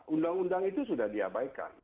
undang undang itu sudah diabaikan